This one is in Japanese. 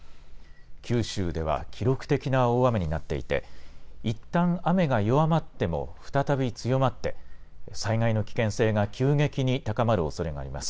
九州では記録的な大雨になっていて、いったん雨が弱まっても、再び強まって、災害の危険性が急激に高まるおそれがあります。